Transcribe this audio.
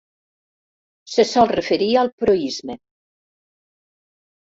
Se sol referir al proïsme.